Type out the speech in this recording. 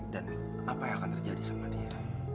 apa yang akan terjadi sama dia